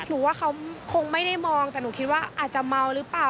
หนูว่าเขาคงไม่ได้มองแต่หนูคิดว่าอาจจะเมาหรือเปล่า